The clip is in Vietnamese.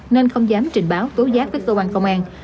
nên không dám trình báo tố giác với cơ quan công an